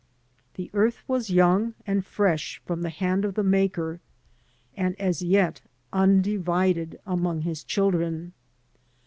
The earth was young and fresh from the hand of the Maker, and as yet undivided among His children.